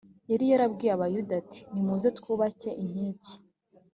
yari yarabwiye abayuda ati: nimuze twubake inkike